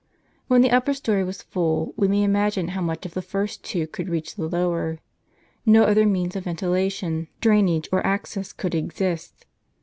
When the upper story was full, we may imagine how much of the two first could reach the lower. No other means of ventilation, The Mamertine Prison. drainage, or access could exist.